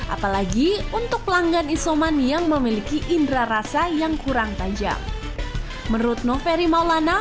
apalagi untuk pelanggan isoman yang memiliki indra rasa yang kurang tajam menurut noferi maulana